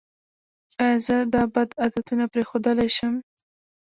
ایا زه دا بد عادتونه پریښودلی شم؟